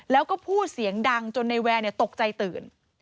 แล้วก็พูดเสียงดังจนในแวร์ตกใจตื่น